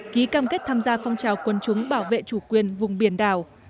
ký cam kết tham gia phong trào quân chúng bảo vệ chủ quyền vùng biển đảo